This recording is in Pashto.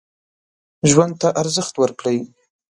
ژوند ته ارزښت ورکړئ.